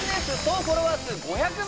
フォロワー数５００万